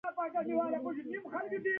غریب ته پټ تسلونه ډېر دي